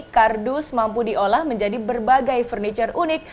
kardus mampu diolah menjadi berbagai furniture unik